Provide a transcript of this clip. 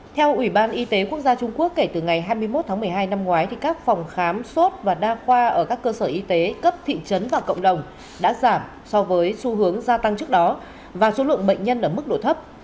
theo ủy ban y tế quốc gia trung quốc kể từ ngày hai mươi một tháng một mươi hai năm ngoái các phòng khám sốt và đa khoa ở các cơ sở y tế cấp thị trấn và cộng đồng đã giảm so với xu hướng gia tăng trước đó và số lượng bệnh nhân ở mức độ thấp